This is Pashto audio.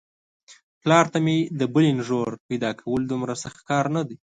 پلار ته مې د بلې نږور پيداکول دومره سخت کار نه دی.